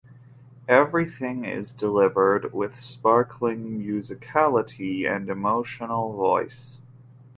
Everything is delivered with sparkling musicality and emotional voice.